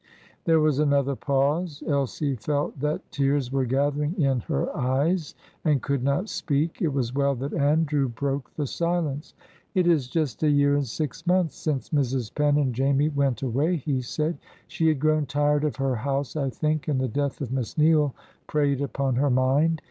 There was another pause. Elsie felt that tears were gathering in her eyes and could not speak. It was well that Andrew broke the silence. "It is just a year and six months since Mrs. Penn and Jamie went away," he said. "She had grown tired of her house, I think, and the death of Miss Neale preyed upon her mind.